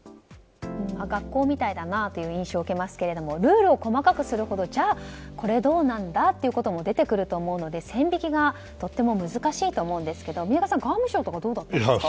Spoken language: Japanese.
学校みたいだなという印象を受けますがルールを細かくするほどじゃあ、これどうなんだ？という例が出てくると思うので線引きがとても難しいと思うんですけど宮家さん、外務省とかどうだったんですか。